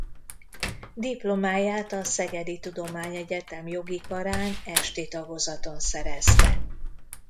Diplomáját a Szegedi Tudományegyetem jogi karán Esti tagozaton szerezte.